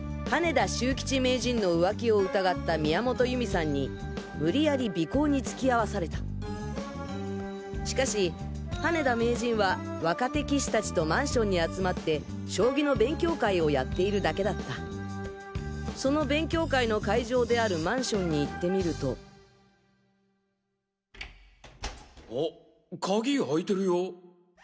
羽田秀名人の浮気を疑った宮本由美さんに無理やり尾行に付き合わされたしかし羽田名人は若手棋士達とマンションに集まって将棋の勉強会をやっているだけだったその勉強会の会場であるマンションに行ってみるとあ鍵開いてるよ。